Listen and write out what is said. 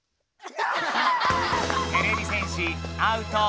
てれび戦士アウト。